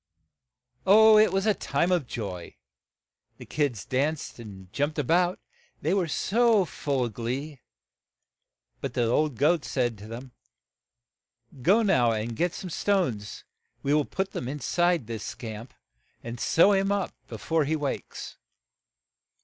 Oh, it was a time of joy ! The kids danced and jumped a bout, they were so full of glee. THE WOLF IS FOUND ASLEEP ON THE GRASS But the old goat said to them, "Go and get some stones, and we will put them in side of this scamp, and sew him up be fore he wakes.